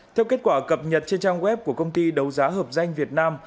theo kết quả cập nhật trên trang web của công ty đấu giá hợp danh việt nam